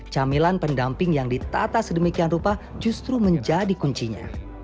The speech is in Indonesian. camilan pendamping yang ditata sedemikian rupa justru menjadi kuncinya